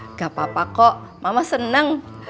nggak apa apa kok mama senang